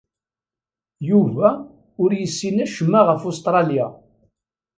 Yuba ur yessin acemma ɣef Ustṛalya.